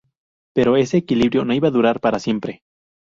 Pero ese equilibrio no iba a durar para siempre.